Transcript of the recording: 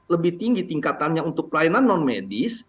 lebih tinggi tingkatannya untuk pelayanan non medis